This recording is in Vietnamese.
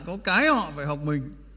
có cái họ phải học mình